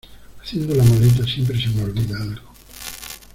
Haciendo la maleta, siempre se me olvida algo.